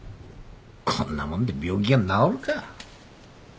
こんなもんで病気が治るか。